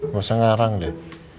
gak usah ngarang deh